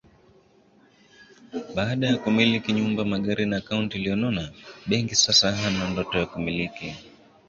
baada ya kumiliki nyumba magari na akaunti iliyonona benki sasa ana ndoto za kumiliki